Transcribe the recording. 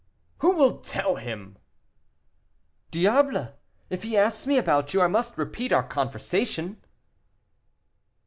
"Who will tell him?" "Diable! if he asks me about you, I must repeat our conversation."